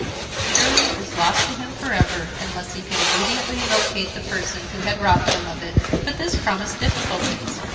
Surely it was lost to him for ever, unless he could immediately locate the person who had robbed him of it. But this promised difficulties.